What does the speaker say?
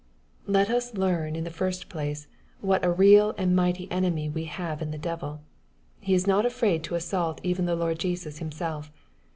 Let us learn in the first place, what^q.3:eQl and mighty enemy we hg/v^in the devil. He is not afraid to assault even the Lord Jesus Himself.